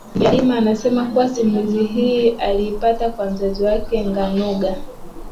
Bibi Halima anasema kuwa simulizi hii aliipata kwa mzazi wake Nganoga